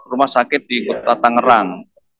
rumah sakit di kota tangerang